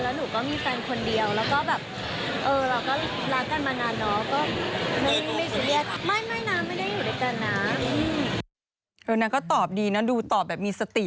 แล้วหนูก็มีแฟนคนเดียวแล้วก็แบบ